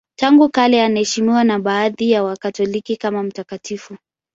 Tangu kale anaheshimiwa na baadhi ya Wakatoliki kama mtakatifu.